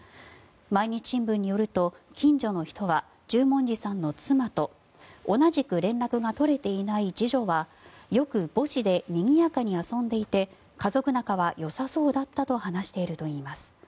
毎日新聞によると近所の人は十文字さんの妻と同じく連絡が取れていない次女はよく母子でにぎやかに遊んでいて家族仲はよさそうだったと話しているといいます。